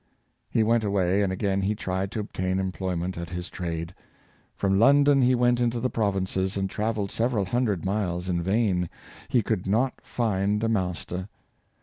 He went away, and again he tried to obtain employment at his trade. From London he went into the provinces, and traveled several hundred miles in vain; he could not find a mas ter.